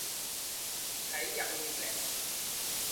喺入面嘞